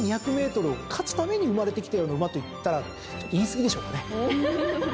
２，２００ｍを勝つために生まれてきたような馬といったらちょっと言い過ぎでしょうかね。